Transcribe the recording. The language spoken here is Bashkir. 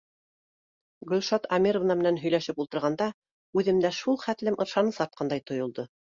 Гөлшат Әмировна менән һөйләшеп ултырғанда үҙемдә шул хәтлем ышаныс артҡандай тойолдо.